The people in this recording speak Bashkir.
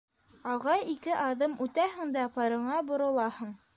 —Алға ике аҙым үтәһең дә, парыңа боролаһың...